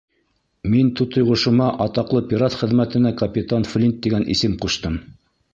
Мин тутыйғошома атаҡлы пират хөрмәтенә Капитан Флинт тигән исем ҡуштым.